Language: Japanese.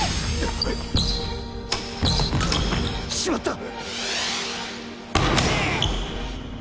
しまった！